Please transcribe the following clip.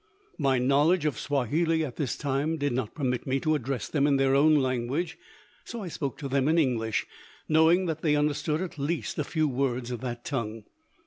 My knowledge of Swahili at this time did not permit me to address them in their own language, so I spoke to them in English, knowing that they understood at least a few words of that tongue.